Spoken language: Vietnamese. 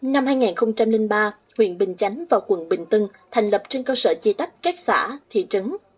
năm hai nghìn ba huyện bình chánh và quận bình tân thành lập trên cơ sở chia tách các xã thị trấn